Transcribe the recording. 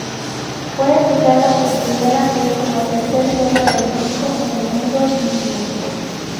Fue editada por primera vez como tercer tema del disco "Enemigos Íntimos".